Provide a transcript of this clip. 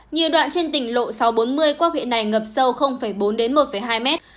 nhiều đoạn trên tỉnh lộ sáu trăm bốn mươi quốc huyện này ngập sâu bốn đến một hai mét